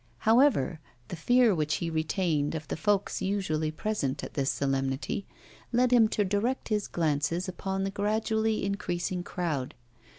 However, the fear which he retained of the folks usually present at this solemnity led him to direct his glances upon the gradually increasing crowd.